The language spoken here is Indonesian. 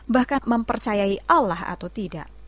bahkan mempercayai allah atau tidak